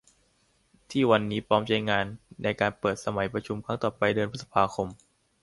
ที่วันนี้พร้อมใช้งานในการเปิดสมัยประชุมครั้งต่อไปเดือนพฤษภาคม